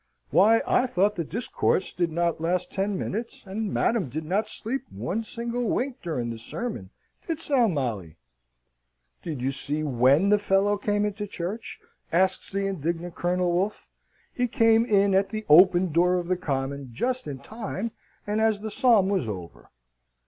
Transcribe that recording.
"Why, I thought the discourse did not last ten minutes, and madam did not sleep one single wink during the sermon, didst thou, Molly?" "Did you see when the fellow came into church?" asked the indignant Colonel Wolfe. "He came in at the open door of the common, just in time, and as the psalm was over."